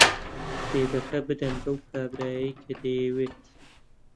کتێبەکە بدەن بەو کابرایەی کە دەیەوێت.